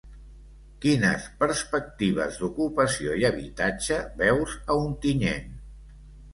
Quines perspectives d’ocupació i habitatge veus a Ontinyent?